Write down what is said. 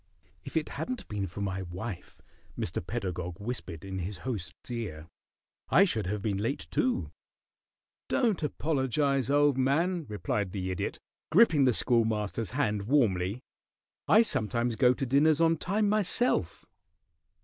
"If it hadn't been for my wife," Mr. Pedagog whispered in his host's ear, "I should have been late, too." "Don't apologize, old man," replied the Idiot, gripping the Schoolmaster's hand warmly. "I sometimes go to dinners on time myself."